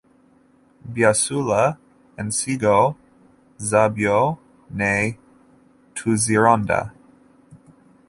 Byasuula ensigo zaabyo ne tuzironda.